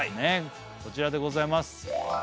こちらでございます